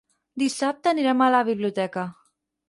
Dissabte anirem a la biblioteca.